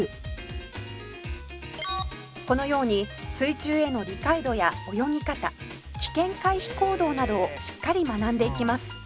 「このように水中への理解度や泳ぎ方危険回避行動などをしっかり学んでいきます」